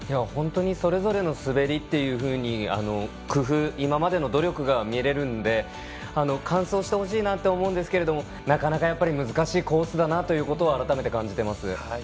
本当にそれぞれの滑りというふうに今までの努力が見れるので完走してほしいと思うんですがなかなか難しいコースだなと改めて感じています。